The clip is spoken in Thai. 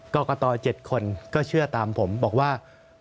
กรกต๗คนก็เชื่อตามผมบอกว่า